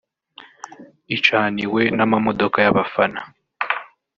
icaniwe n'amamodoka y'abafana